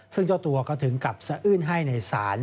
ซึ่งเจ้าตัวก็ถึงกับสะอื้นให้ในศาล